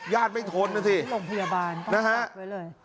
ญาติไม่ทนนะสิลงพยาบาลต้องจับไว้เลย